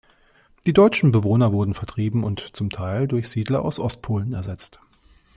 Die deutschen Bewohner wurden vertrieben und zum Teil durch Siedler aus Ostpolen ersetzt.